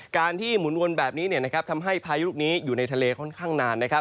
การที่หมุนวนแบบนี้ทำให้พายุลูกนี้อยู่ในทะเลค่อนข้างนานนะครับ